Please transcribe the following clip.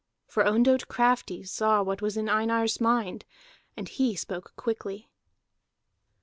For Ondott Crafty saw what was in Einar's mind, and he spoke quickly.